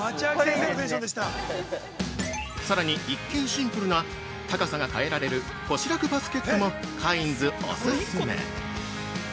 ◆さらに、一見、シンプルな高さが変えられる腰らくバスケットもカインズお勧め。